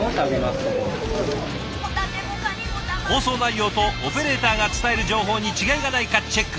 放送内容とオペレーターが伝える情報に違いがないかチェック。